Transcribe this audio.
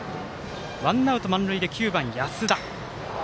ワンアウト、満塁で９番、安田。